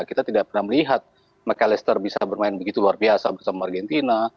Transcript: kita tidak pernah melihat mccal lester bisa bermain begitu luar biasa bersama argentina